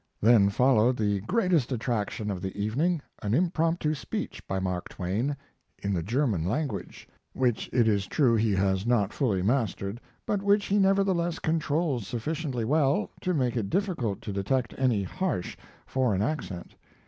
Then followed the greatest attraction of the evening, an impromptu speech by Mark Twain in the German language, which it is true he has not fully mastered, but which he nevertheless controls sufficiently well to make it difficult to detect any harsh foreign accent.